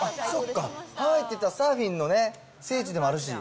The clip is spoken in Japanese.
ハワイっていったら、サーフィンの聖地でもあるし。